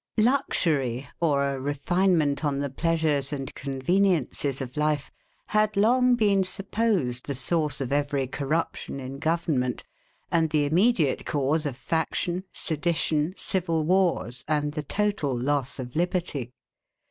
Luxury, or a refinement on the pleasures and conveniences of life, had not long been supposed the source of every corruption in government, and the immediate cause of faction, sedition, civil wars, and the total loss of liberty.